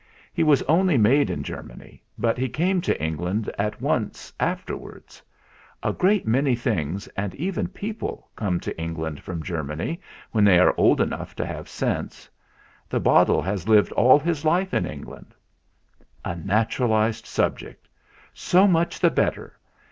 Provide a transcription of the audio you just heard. He was only made in Germany, but he came to England at once afterwards. A great many things, and even people, come to Eng land from Germany when they are old enough to have sense. The bottle has lived all his life in England." "A naturalised subject. So much the bet ter.